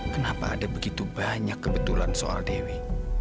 kenapa ada begitu banyak kebetulan soal dewi